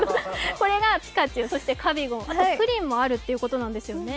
これがピカチュウ、そしてカビゴンプリンもあるってことなんですよね。